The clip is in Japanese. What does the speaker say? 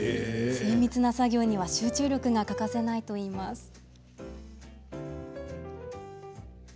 精密な作業には集中力が欠かせないといいます。